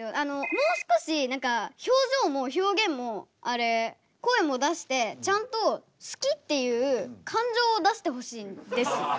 もう少し表情も表現も声も出してちゃんと「好き」っていう感情を出してほしいんです。